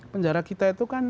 penjara kita itu kan